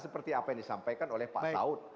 seperti apa yang disampaikan oleh pak saud